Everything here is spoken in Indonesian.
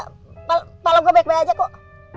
malam gue baik baik aja kok